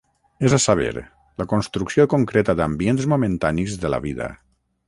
És a saber, la construcció concreta d'ambients momentanis de la vida.